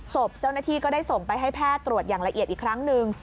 ศพเจ้าหน้าที่ก็ได้ส่งไปให้แพทย์ตรวจอย่างละเอียดอีกครั้งหนึ่ง